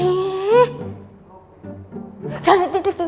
karena aku sudah dua tahun lagi di indonesia